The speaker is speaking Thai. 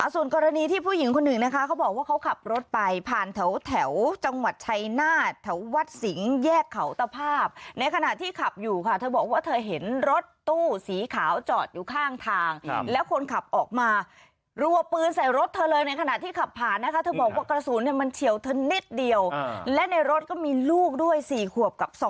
ส่วนกรณีที่ผู้หญิงคนหนึ่งนะคะเขาบอกว่าเขาขับรถไปผ่านแถวจังหวัดชัยนาฏแถววัดสิงห์แยกเขาตภาพในขณะที่ขับอยู่ค่ะเธอบอกว่าเธอเห็นรถตู้สีขาวจอดอยู่ข้างทางแล้วคนขับออกมารัวปืนใส่รถเธอเลยในขณะที่ขับผ่านนะคะเธอบอกว่ากระสุนเนี่ยมันเฉียวเธอนิดเดียวและในรถก็มีลูกด้วย๔ขวบกับ๒